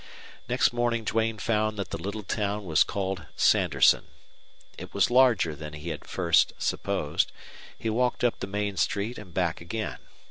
Next morning Duane found that the little town was called Sanderson. It was larger than he had at first supposed. He walked up the main street and back again.